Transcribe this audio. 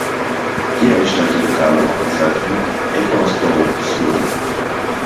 Hier entstand die lokale Wochenzeitung "Ecos do Sul".